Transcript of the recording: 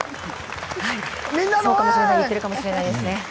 そう言ってるかもしれないですね。